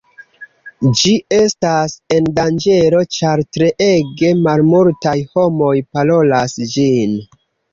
Ĝi estas en danĝero ĉar treege malmultaj homoj parolas ĝin.